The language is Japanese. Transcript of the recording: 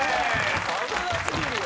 危な過ぎるよ。